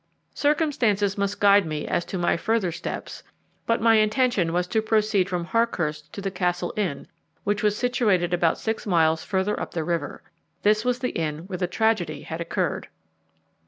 Circumstances must guide me as to my further steps, but my intention was to proceed from Harkhurst to the Castle Inn, which was situated about six miles further up the river. This was the inn where the tragedy had occurred.